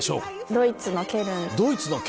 ドイツのケルン。